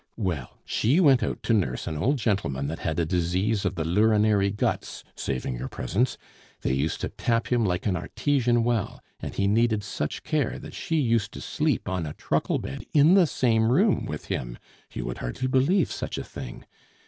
Well, she went out to nurse an old gentleman that had a disease of the lurinary guts (saving your presence); they used to tap him like an artesian well, and he needed such care that she used to sleep on a truckle bed in the same room with him. You would hardly believe such a thing!